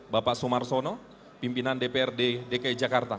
bapak sumarsono pimpinan dprd dki jakarta